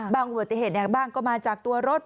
อุบัติเหตุบ้างก็มาจากตัวรถ